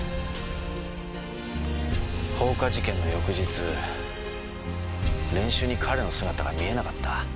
放火事件の翌日練習に彼の姿が見えなかった。